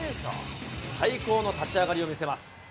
最高の立ち上がりを見せます。